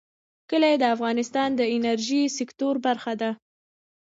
کلي د افغانستان د انرژۍ سکتور برخه ده.